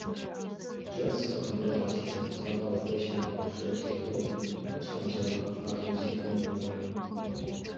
这次很短而且糟糕的飞行饱受结构颤振和发动机共振的困扰。